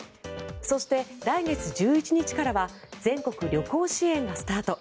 そして、来月１１日からは全国旅行支援がスタート。